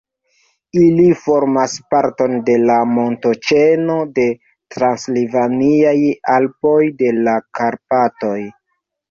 Ili formas parton de la montoĉeno de Transilvaniaj Alpoj de la Karpatoj.